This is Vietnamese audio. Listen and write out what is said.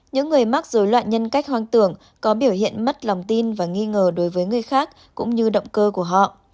những người mắc dối loạn nhân cách hoang tưởng có biểu hiện mất lòng tin và nghi ngờ đối với người khác cũng như động cơ của họ